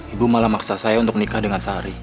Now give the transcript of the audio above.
ibu malah maksa saya untuk nikah dengan sari